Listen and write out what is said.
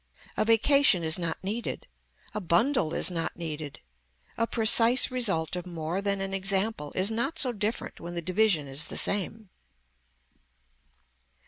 A vacation is not needed, a bundle is not needed, a precise result of more than an example is not so different when the division is the same.